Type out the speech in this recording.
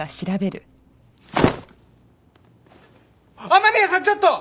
雨宮さんちょっと！